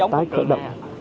tái khởi động